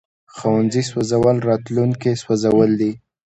د ښوونځي سوځول راتلونکی سوځول دي.